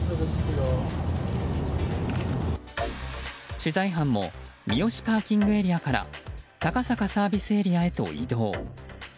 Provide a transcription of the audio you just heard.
取材班も三芳ＰＡから高坂ＳＡへと移動。